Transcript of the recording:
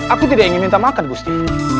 aku tidak ingin minta makan gusti